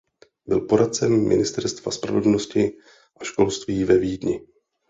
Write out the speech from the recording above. Byl poradcem ministerstva spravedlnosti a školství ve Vídni.